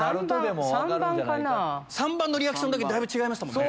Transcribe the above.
３番のリアクションだけだいぶ違いましたもんね。